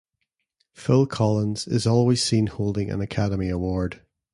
Phil Collins is always seen holding an Academy Award.